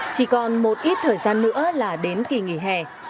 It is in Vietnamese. chỉ còn một ít thời gian nữa là đến kỳ nghỉ hè